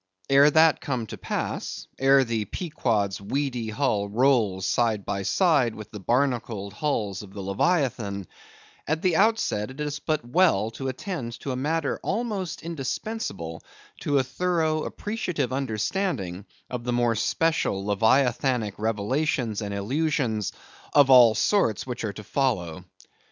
Ere that come to pass; ere the Pequod's weedy hull rolls side by side with the barnacled hulls of the leviathan; at the outset it is but well to attend to a matter almost indispensable to a thorough appreciative understanding of the more special leviathanic revelations and allusions of all sorts which are to follow.